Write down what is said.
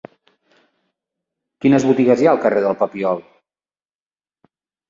Quines botigues hi ha al carrer del Papiol?